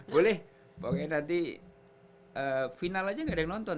boleh pokoknya nanti final aja nggak ada yang nonton